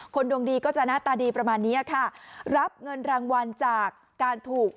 ดวงดีก็จะหน้าตาดีประมาณเนี้ยค่ะรับเงินรางวัลจากการถูก